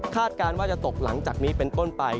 การว่าจะตกหลังจากนี้เป็นต้นไป